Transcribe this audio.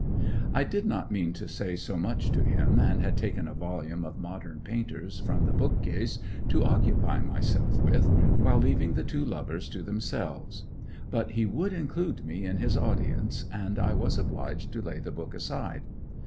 I did not mean to say so much to him, and had taken a volume of Modern Painters from the bookcase to occupy myself with, while leaving the two lovers to themselves; but he would include me in his audience, and I was obliged to lay the book aside.